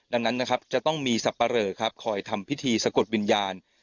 ดังนั้นนะครับจะต้องมีสับปะเรอครับคอยทำพิธีสะกดวิญญาณ